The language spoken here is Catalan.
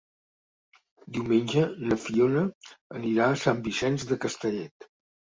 Diumenge na Fiona anirà a Sant Vicenç de Castellet.